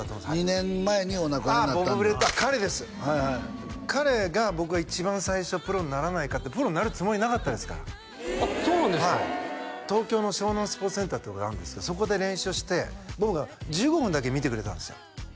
２年前にお亡くなりになったああボブ・ブレット彼です彼が僕が一番最初プロにならないかってプロになるつもりなかったですからあっそうなんですかはい東京の湘南スポーツセンターっていうのがあるんですがそこで練習をしてボブが１５分だけ見てくれたんですよ